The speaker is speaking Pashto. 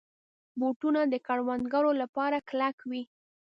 بوټونه د کروندګرو لپاره کلک وي.